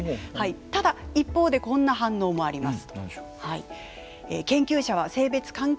ただ一方でこんな反応もあります。